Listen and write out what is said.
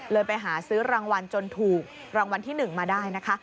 ไปหาซื้อรางวัลจนถูกรางวัลที่๑มาได้นะคะ